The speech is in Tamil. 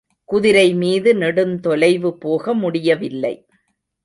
குதிரை மீது நெடுந்தொலைவு போக முடியவில்லை.